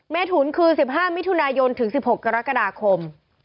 เมถุนคือ๑๕มิถุนายนถึง๑๖กรกฎาคม